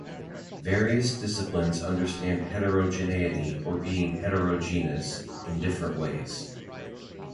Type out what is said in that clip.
Various disciplines understand "heterogeneity", or being "heterogeneous", in different ways.